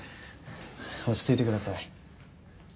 落ち着いてください。